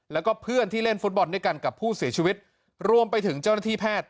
แล้วก็เพื่อนที่เล่นฟุตบอลด้วยกันกับผู้เสียชีวิตรวมไปถึงเจ้าหน้าที่แพทย์